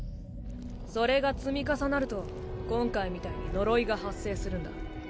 それが積み重なると今回みたいに呪いが発生するんだ。